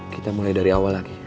kita mulai dari awal lagi